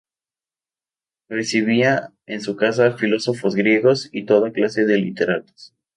Recibía en su casa a filósofos griegos y toda clase de literatos.